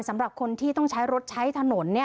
สำหรับคนที่ต้องใช้รถใช้ถนน